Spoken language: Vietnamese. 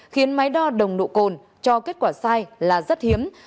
khiến máy đo nồng độ cồn cho kết quả sai là rất hiếm